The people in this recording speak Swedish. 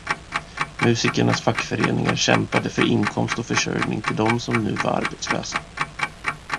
Musikernas fackföreningar kämpade för inkomst och försörjning till dem som nu var arbetslösa.